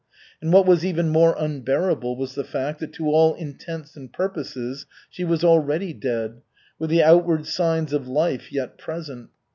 And what was even more unbearable was the fact that to all intents and purposes she was already dead, with the outward signs of life yet present.